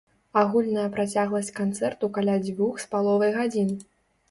Агульная працягласць канцэрту каля дзвюх з паловай гадзін.